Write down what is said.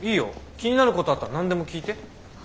気になることあったら何でも聞いて。